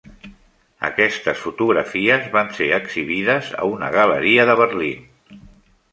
Aquestes fotografies van ser exhibides a una galeria de Berlín.